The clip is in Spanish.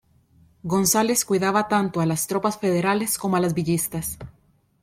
González cuidaba tanto a las tropas federales como a las villistas.